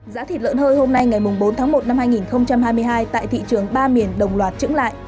giá thịt lợn hơi hôm nay ngày bốn tháng một năm hai nghìn hai mươi hai tại thị trường ba miền đồng loạt trứng lại